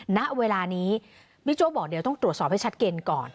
ณเวลานี้บิ๊กโจ๊กบอกเดี๋ยวต้องตรวจสอบให้ชัดเจนก่อน